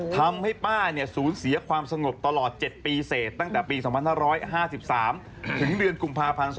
ทำให้ป้าสูญเสียความสงบตลอด๗ปีเสร็จตั้งแต่ปี๒๕๕๓ถึงเดือนกุมภาพันธ์๒๕๖